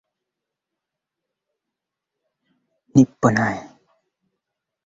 Viongozi wa Waarabu washindi walifanya mikataba na maaskofu wa